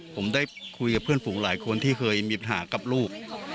ผมได้คุยกับเพื่อนฝูงหลายคนที่เคยมีปัญหากับลูก